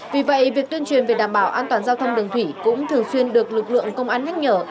vì vậy việc tuyên truyền về đảm bảo an toàn giao thông đường thủy cũng thường xuyên được lực lượng công an nhắc nhở